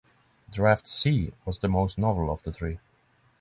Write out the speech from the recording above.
Draft C was the most novel of the three.